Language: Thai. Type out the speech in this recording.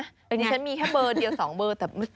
ทำอย่างนี้ฉันมีแค่เบอร์๑๒เบอร์แต่